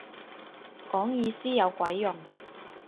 講意思有鬼用